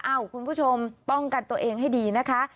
คุณผู้ชมป้องกันตัวเองให้ดีนะคะ